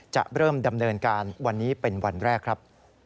จะเริ่มดำเนินการวันนี้เป็นวันแรกครับ